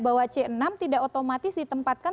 bahwa c enam tidak otomatis ditempatkan